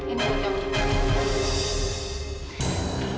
ini untuk kamu